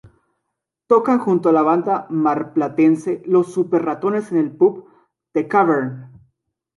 Tocan junto a la banda marplatense Los Súper Ratones en el pub "The Cavern".